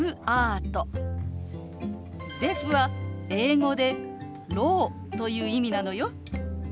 「デフ」は英語で「ろう」という意味なのよ。